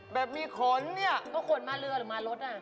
แบบมีขนเนี่ยก็ขนมาเรือหรือมารถอ่ะ